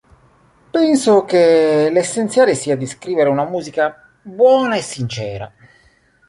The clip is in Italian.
Penso che l’essenziale sia di scrivere una musica buona e sincera.